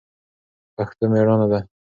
پښتو مېړانه ده